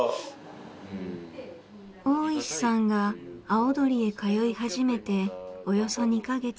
大石さんが葵鳥へ通い始めておよそ２カ月。